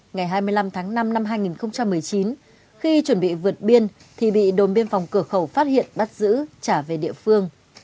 ngày hai mươi năm tháng năm năm hai nghìn một mươi chín khi chuẩn bị vượt biên thì bị đồn biên phòng cửa khẩu phát hiện bắt giữ trả về địa phương